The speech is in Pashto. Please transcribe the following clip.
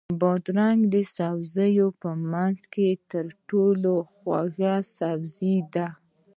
بادرنګ د سبزیو په منځ کې تر ټولو خوږ سبزی ده.